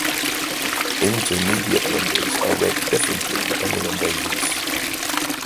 Intermediate numbers are read differently depending on their use.